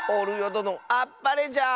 どのあっぱれじゃ！